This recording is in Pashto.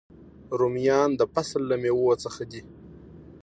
رومیان د فصل له میوو څخه دي